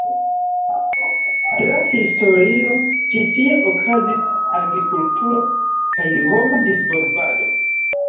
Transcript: Tra historio, ĉi tie okazis agrikulturo kaj homa disvolvado.